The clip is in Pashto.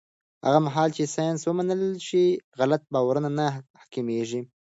هغه مهال چې ساینس ومنل شي، غلط باورونه نه حاکمېږي.